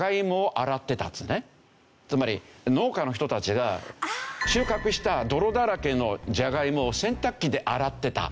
つまり農家の人たちが収穫した泥だらけのジャガイモを洗濯機で洗ってた。